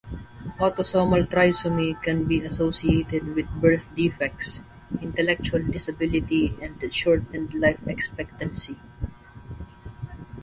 Autosomal trisomy can be associated with birth defects, intellectual disability and shortened life expectancy.